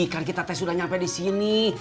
kan kita tes udah nyampe di sini